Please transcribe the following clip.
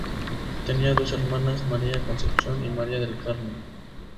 Tenía dos hermanas; María Concepción y María del Carmen.